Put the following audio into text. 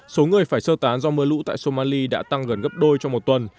số người phải sơ tán do mưa lũ tại somali đã tăng gần gấp đôi trong một tuần